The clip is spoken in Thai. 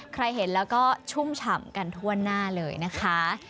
ใครเห็นแล้วก็ชุ่มฉ่ำกันทั่วหน้าเลยนะคะ